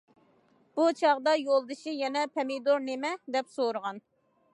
بۇ چاغدا يولدىشى يەنە« پەمىدۇر نېمە؟» دەپ سورىغان.